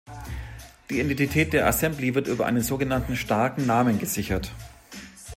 Die Identität der Assembly wird über einen so genannten „starken Namen“ gesichert.